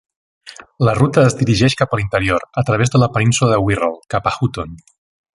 La ruta es dirigeix cap a l'interior, a través de la península de Wirral, cap a Hooton.